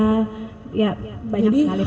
ya banyak sekali pertanyaan